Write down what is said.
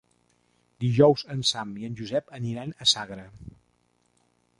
Dijous en Sam i en Josep aniran a Sagra.